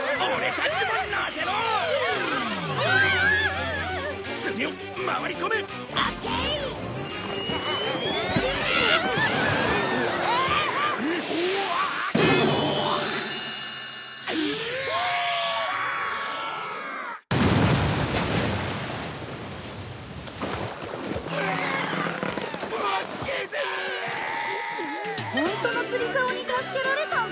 ホントの釣りざおに助けられたんだね。